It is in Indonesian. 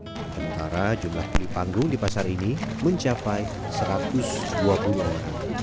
sementara jumlah kuli panggung di pasar ini mencapai satu ratus dua puluh orang